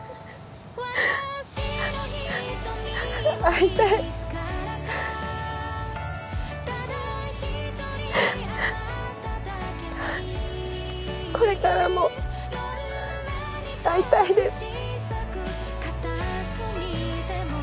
会いたいこれからも会いたいです